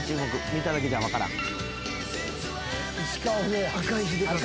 見ただけじゃ分からん。